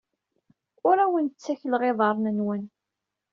Ur awen-ttakleɣ iḍarren-nwen.